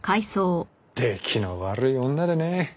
出来の悪い女でね